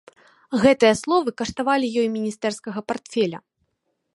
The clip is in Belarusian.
Гэтыя словы каштавалі ёй міністэрскага партфеля.